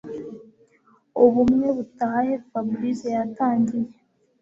ubumwe butahe Fabric yatangiye